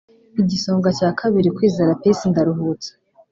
Igisonga cya Kabiri Kwizera Peace Ndaruhutse